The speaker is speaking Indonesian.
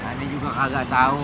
tadi juga kagak tau